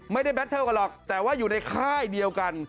แบตเทิลกันหรอกแต่ว่าอยู่ในค่ายเดียวกัน